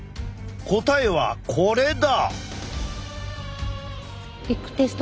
答えはこれだ！